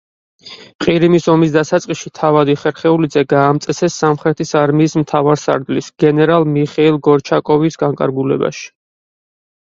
ყირიმის ომის დასაწყისში თავადი ხერხეულიძე გაამწესეს სამხრეთის არმიის მთავარსარდალის, გენერალ მიხეილ გორჩაკოვის განკარგულებაში.